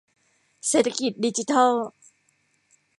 เศรษฐกิจดิจิทัล